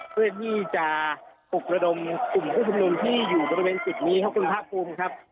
เพื่อที่จะปลุกระดมกลุ่มผู้ชุมนุมที่อยู่บริเวณจุดนี้ครับคุณภาคภูมิครับ